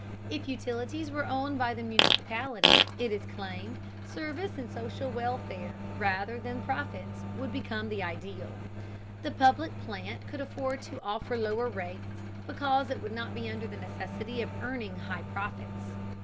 If utilities were owned by the municipality, it is claimed, service and social welfare rather than profits would become the ideal. The public plant could afford to offer lower rates, because it would not be under the necessity of earning high profits.